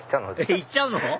行っちゃうの？